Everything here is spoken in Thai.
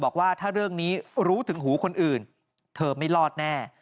บอกว่าถ้าเรื่องนี้รู้ถึงหูคนอื่นเธอไม่รอดแน่